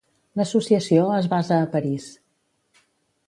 L'associació es basa a París.